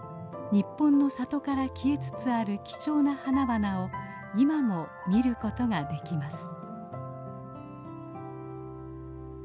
日本の里から消えつつある貴重な花々を今も見ることができます。